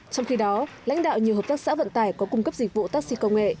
trong khi đó lãnh đạo nhiều hợp tác xã vận tải có cung cấp dịch vụ taxi công nghệ